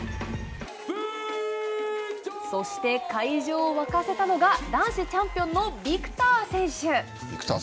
そして会場を沸かせたのが男子チャンピオンのビクター選手。